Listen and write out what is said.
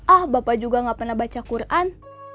ah bapak juga gak pernah baca quran